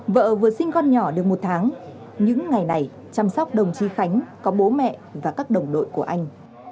vợ vừa sinh con nhỏ được một tháng những ngày này chăm sóc đồng chí khánh có bố mẹ và các đồng đội của anh